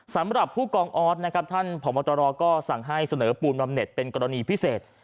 สำหรับผู้กองออสนะครับท่านผอบตรก็สั่งให้เสนอปูนบำเน็ตเป็นกรณีพิเศษ